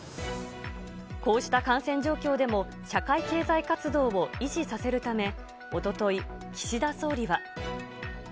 こうした感染状況でも社会経済活動を維持させるため、おととい、岸田総理は。